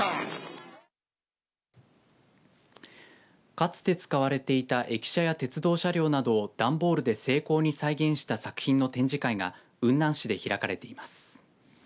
かつて使われていた駅舎や鉄道車両などを段ボールで精巧に再現した作品の展示会が雲南市で開かれています。